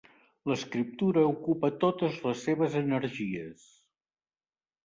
L'escriptura ocupa totes les seves energies.